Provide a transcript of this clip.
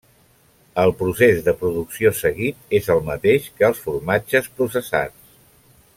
El procés de producció seguit és el mateix que els formatges processats.